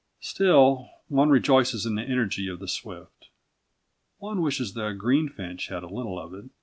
Still, one rejoices in the energy of the swift. One wishes the greenfinch had a little of it.